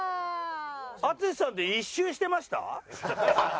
淳さんって１周してました？